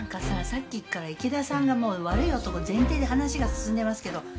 さっきから池田さんがもう悪い男前提で話が進んでますけど。